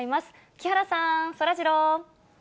木原さん、そらジロー。